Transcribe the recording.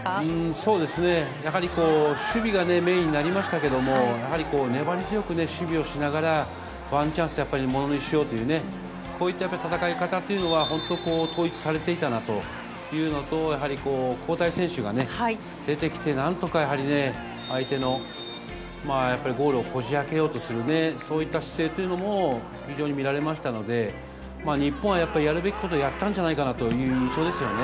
そうですね、やはり守備がメインになりましたけども、やはり粘り強くね、守備をしながら、ワンチャンス、やっぱりものにしようというね、こういった戦い方というのは、本当、統一されていたなというのと、やはり交代選手がね、出てきて、なんとかやはりね、相手のやっぱりゴールをこじあけようとする、そういった姿勢というのも非常に見られましたので、日本はやっぱり、やるべきことはやったんじゃないかなという印象ですよね。